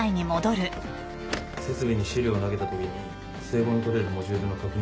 設備に資料投げたときに整合のとれるモジュールの確認